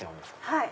はい。